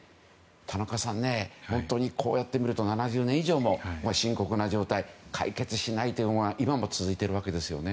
田中さん、こうやってみると７０年以上も深刻な状態解決していないというのが今も続いているわけですよね。